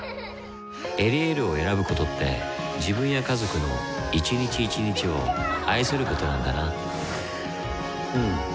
「エリエール」を選ぶことって自分や家族の一日一日を愛することなんだなうん。